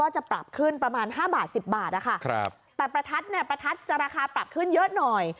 จะปรับขึ้นประมาณ๕๑๐บาทแต่ประทัดจะปรับขึ้นเยอะหน่อย